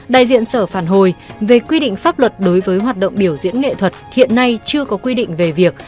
đại diện sở phản hồi về quy định pháp luật đối với hoạt động biểu diễn nghệ thuật hiện nay chưa có quy định về việc